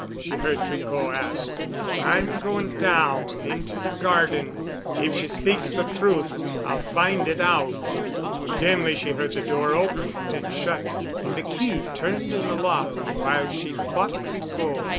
she heard Tricot ask. "I'm going down—into the garden. If she speaks the truth I'll find it out." Dimly she heard the door open and shut and the key turned in the lock, while she fought Tricot.